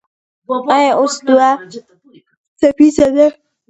ایا اوس دوه څپیزه ده؟